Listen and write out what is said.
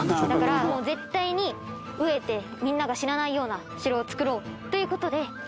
だからもう絶対に飢えてみんなが死なないような城を造ろうという事で